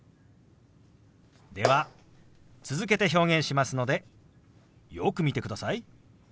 では続けて表現しますのでよく見てください。